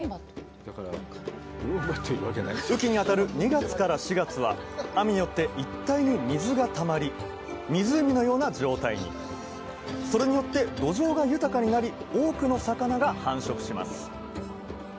雨期にあたる２月から４月は雨によって一帯に水がたまり湖のような状態にそれによって土壌が豊かになり多くの魚が繁殖します